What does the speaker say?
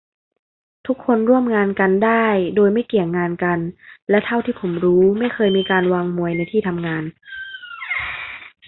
ทุกคนร่วมงานกันได้โดยไม่เกี่ยงงานกัน และเท่าที่ผมรู้ไม่เคยมีการวางมวยในที่ทำงาน